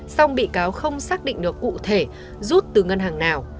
song bị cáo không xác định được cụ thể rút từ ngân hàng nào